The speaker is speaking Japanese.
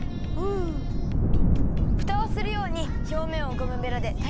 ふたをするようにひょうめんをゴムベラでたいらにするよ。